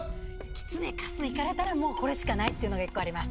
きつねかすいかれたらもうこれしかないっていうのが１個あります